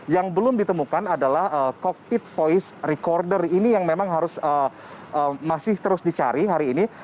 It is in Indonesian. yang belum ditemukan adalah cockpit voice recorder ini yang memang harus masih terus dicari hari ini